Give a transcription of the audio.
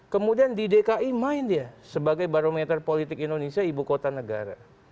kemudian di dki main dia sebagai barometer politik indonesia ibu kota negara